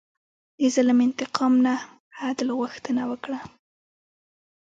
د ظلم انتقام نه، عدل غوښتنه وکړه.